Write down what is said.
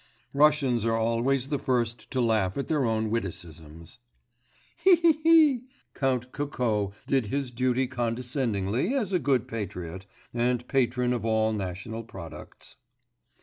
(Russians are always the first to laugh at their own witticisms.) 'He, he, he!' Count Kokó did his duty condescendingly as a good patriot, and patron of all national products.